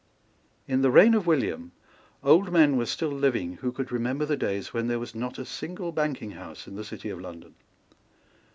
In the reign of William old men were still living who could remember the days when there was not a single banking house in the city of London.